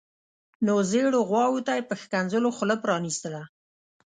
نو زیړو غواوو ته یې په ښکنځلو خوله پرانیستله.